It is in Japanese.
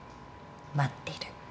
待ってる。